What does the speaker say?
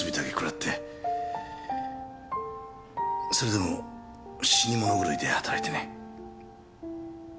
それでも死に物狂いで働いてね。